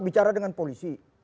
bicara dengan polisi